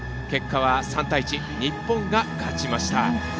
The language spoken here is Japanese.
結果は３対１、日本が勝ちました。